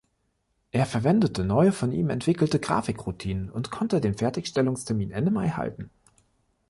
Er verwendete neue von ihm entwickelte Grafik-Routinen und konnte den Fertigstellungstermin Ende Mai halten.